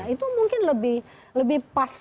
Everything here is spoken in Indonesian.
itu mungkin lebih pas